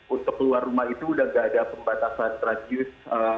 untuk keluar rumah itu sudah tidak ada pembatasan radius